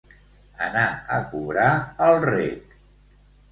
Anar a cobrar al rec.